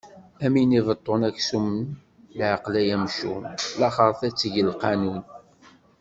A win ibeṭṭun aksum leɛqel ay amcum, laxeṛt ad teg lqanun!